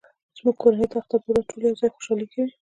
زموږ کورنۍ د اختر په ورځ ټول یو ځای خوشحالي کوي